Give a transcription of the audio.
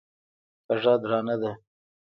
کږه درانه ده.